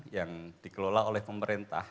yang dikelola oleh pemerintah